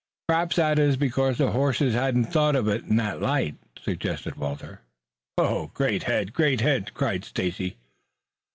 "Perhaps that is because the horses hadn't thought of it in that light," suggested Walter. "Great head, great head," cried Stacy.